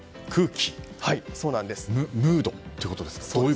ムードということですか。